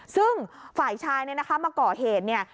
ซึ่งฝ่ายชายเนี่ยนะคะมาก่อเหตุเนี่ย